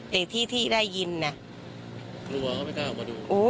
แต่ที่ที่ได้ยินนะกลัวก็ไม่กล้าออกมาดู